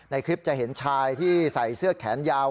ในคลิปจะเห็นชายที่ใส่เสื้อแขนยาว